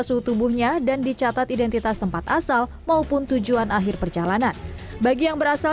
suhu tubuhnya dan dicatat identitas tempat asal maupun tujuan akhir perjalanan bagi yang berasal